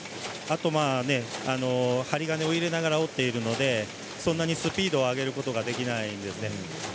針金を入れながら織っているのでスピードを上げることができないんですね。